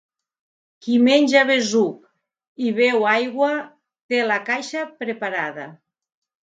Qui menja besuc i beu aigua té la caixa preparada.